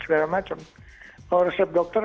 segala macam kalau resep dokter